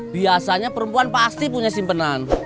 biasanya perempuan pasti punya simpenan